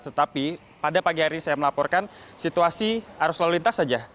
tetapi pada pagi hari saya melaporkan situasi arus lalu lintas saja